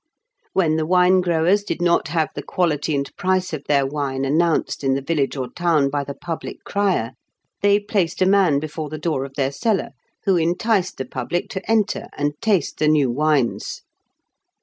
When the wine growers did not have the quality and price of their wine announced in the village or town by the public crier, they placed a man before the door of their cellar, who enticed the public to enter and taste the new wines.